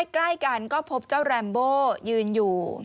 ใกล้กันก็พบเจ้าแรมโบยืนอยู่